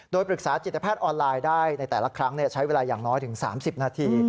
โดยปรึกษาจิตแพทย์ออนไลน์ได้ในแต่ละครั้งใช้เวลาอย่างน้อยถึง๓๐นาที